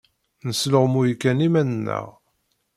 Nesluɣmuy kan iman-nneɣ.